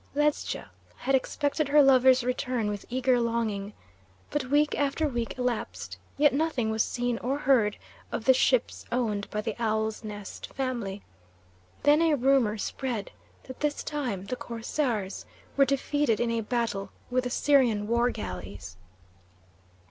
Ledscha had expected her lover's return with eager longing, but week after week elapsed, yet nothing was seen or heard of the ships owned by the Owl's Nest family; then a rumour spread that this time the corsairs were defeated in a battle with the Syrian war galleys.